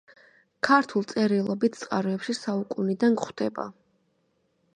ქართულ წერილობით წყაროებში საუკუნიდან გვხვდება.